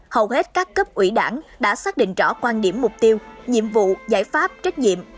hầu hết các cấp ủy đảng đã xác định rõ quan điểm mục tiêu nhiệm vụ giải pháp trách nhiệm